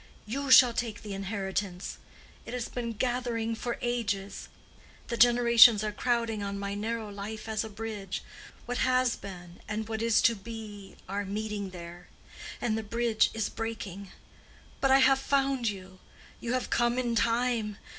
You shall take the inheritance; it has been gathering for ages. The generations are crowding on my narrow life as a bridge: what has been and what is to be are meeting there; and the bridge is breaking. But I have found you. You have come in time.